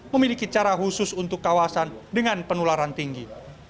memiliki cara khusus untuk kawasan dengan penularan tinggi